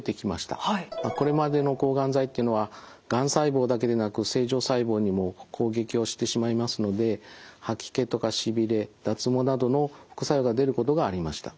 これまでの抗がん剤っていうのはがん細胞だけでなく正常細胞にも攻撃をしてしまいますので吐き気とかしびれ脱毛などの副作用が出ることがありました。